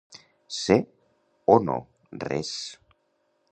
Ser o no, res!